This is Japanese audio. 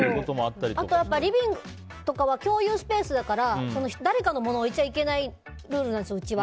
あと、リビングとかは共有スペースだから誰かのものを置いちゃいけないルールなんですよ。